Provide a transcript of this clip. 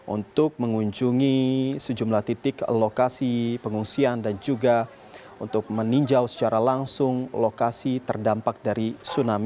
untuk mengunjungi sejumlah titik lokasi pengungsian dan juga untuk meninjau secara langsung lokasi terdampak dari tsunami